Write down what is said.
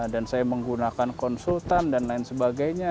dan saya menggunakan konsultan dan lain sebagainya